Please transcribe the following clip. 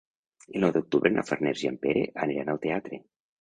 El nou d'octubre na Farners i en Pere aniran al teatre.